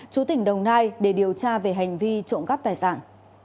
chú tỉnh đồng nai để điều tra về hành vi trộm cắp tài sản